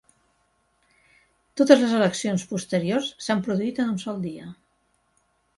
Totes les eleccions posteriors s'han produït en un sol dia.